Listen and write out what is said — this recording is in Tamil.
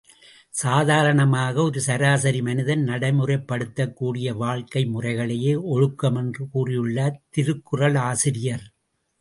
சாதாரணமாக ஒரு சராசரி மனிதன் நடைமுறைப்படுத்தக் கூடிய வாழ்க்கை முறைகளையே ஒழுக்கமென்று கூறியுள்ளார் திருக்குறளாசிரியர்.